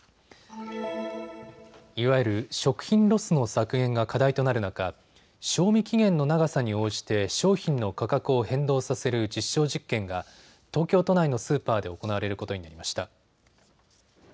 いわゆる食品ロスの削減が課題となる中、賞味期限の長さに応じて商品の価格を変動させる実証実験が東京都内のスーパーで行われることになりました。